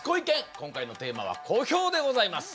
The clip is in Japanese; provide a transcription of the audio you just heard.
今回のテーマは「小兵」でございます。